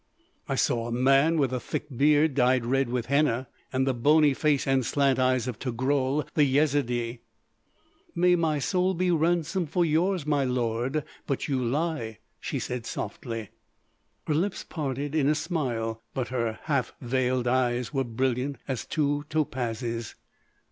"I saw a man with a thick beard dyed red with henna, and the bony face and slant eyes of Togrul the Yezidee." "May my soul be ransom for yours, my lord, but you lie!" she said softly. Her lips parted in a smile; but her half veiled eyes were brilliant as two topazes.